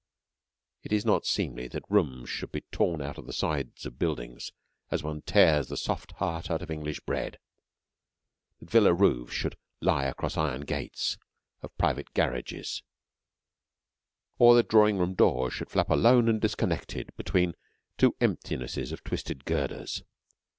It is not seemly that rooms should be torn out of the sides of buildings as one tears the soft heart out of English bread; that villa roofs should lie across iron gates of private garages, or that drawing room doors should flap alone and disconnected between two emptinesses of twisted girders.